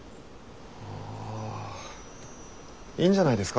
あいいんじゃないですか？